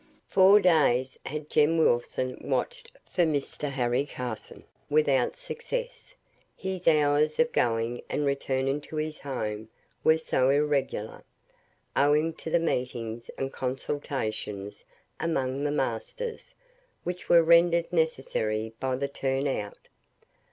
Four days had Jem Wilson watched for Mr. Harry Carson without success; his hours of going and returning to his home were so irregular, owing to the meetings and consultations among the masters, which were rendered necessary by the turn out.